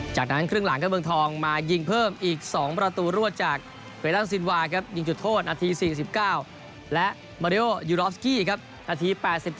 จากนั้นครึ่งหลังครับเมืองทองมายิงเพิ่มอีก๒ประตูรวดจากเวรันซินวาครับยิงจุดโทษนาที๔๙และมาริโอยูรอฟสกี้ครับนาที๘๗